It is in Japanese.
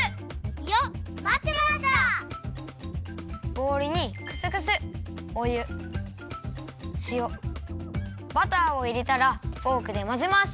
ボールにクスクスお湯しおバターをいれたらフォークでまぜます。